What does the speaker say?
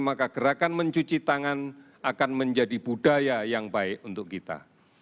maka gerakan mencuci tangan akan menjadi budaya yang baik untuk kita